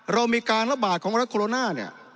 เรามีการระบาดของรัฐโคโรนา